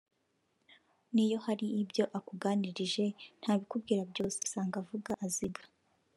niyo hari ibyo akuganirije ntabikubwira byose usanga avuga aziga